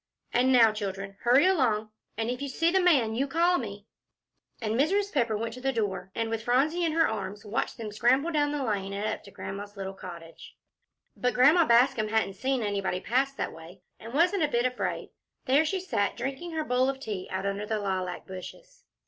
And now, children, hurry along. And if you see the man, you call me." And Mrs. Pepper went to the door, and, with Phronsie in her arms, watched them scramble down the lane, and up to Grandma's little cottage. But Grandma Bascom hadn't seen anybody pass that way, and wasn't a bit afraid. There she sat, drinking her bowl of tea out under the lilac bushes.